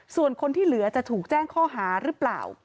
ส่วนคนที่เหลือจะถูกแจ้งข้อหาหรือเปล่า